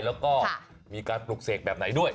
แล้วก็มีการปลุกเสกแบบไหนด้วย